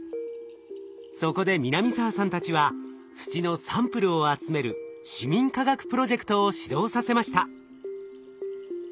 そこで南澤さんたちは土のサンプルを集める市民科学プロジェクトを始動させました。